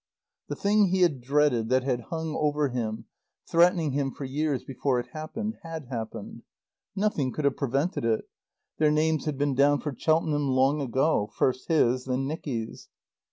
The thing he had dreaded, that had hung over him, threatening him for years before it happened, had happened. Nothing could have prevented it; their names had been down for Cheltenham long ago; first his, then Nicky's.